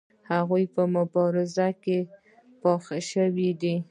هغوی په مبارزه کې پاخه شوي دي.